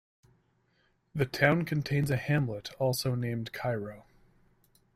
The town contains a hamlet also named Cairo.